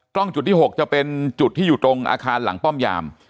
จุดที่๖จะเป็นจุดที่อยู่ตรงอาคารหลังป้อมยาม